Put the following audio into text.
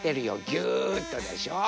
ぎゅっとでしょ。